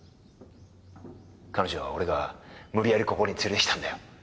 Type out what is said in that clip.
彼女は俺が無理やりここに連れてきたんだよ。